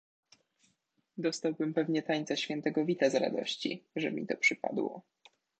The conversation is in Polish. "Dostałbym pewnie tańca świętego Wita z radości, że mi to przypadło."